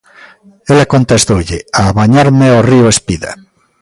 Ela contestoulle: A bañarme ao río espida.